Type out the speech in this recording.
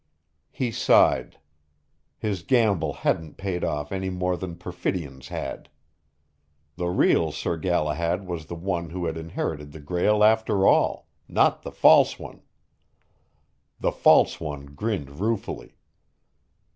He sighed. His gamble hadn't paid off any more than Perfidion's had. The real Sir Galahad was the one who had inherited the Grail after all not the false one. The false one grinned ruefully.